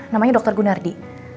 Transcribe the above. namanya dokter gunardi